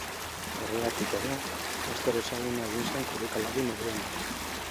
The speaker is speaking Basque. Horregatik-edo laster ezaguna egin zen korrikalari moduan ere.